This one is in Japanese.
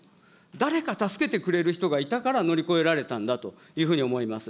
誰か助けてくれる人がいたから、乗り越えられたんだと思います。